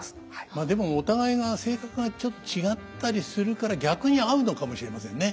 まあでもお互いが性格がちょっと違ったりするから逆に合うのかもしれませんね。